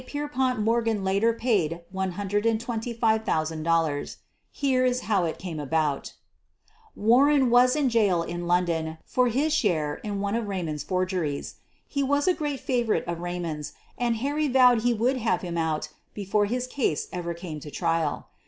Pierpont Mor gan later paid $125,000. Here is how it came about : Warren was in jail in London for his share in one of Raymond's forgeries. He was a great favor ite of Raymond's and Harry vowed he would have him out before his case ever came to trial.